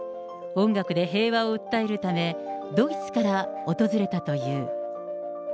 音楽で平和を訴えるため、ドイツから訪れたという。